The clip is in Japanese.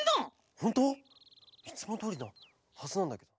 ホント？いつもどおりなはずなんだけど。